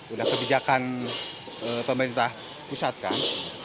udah kebijakan pemerintah pusat kan